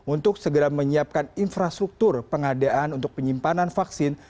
untuk segera menyiapkan infrastruktur pengadaan untuk penyimpanan vaksin